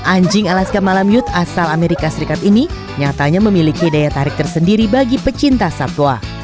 anjing alaska malam youth asal amerika serikat ini nyatanya memiliki daya tarik tersendiri bagi pecinta satwa